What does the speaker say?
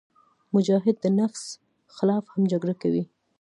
مجاهد د نفس خلاف هم جګړه کوي.